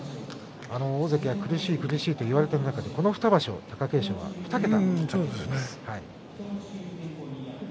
大関は苦しい苦しいと言われていますがこの２場所、貴景勝は２桁。